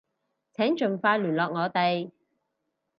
請盡快聯絡我哋